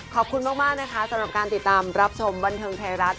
ขอบคุณมากนะคะสำหรับการติดตามรับชมบันเทิงไทยรัฐ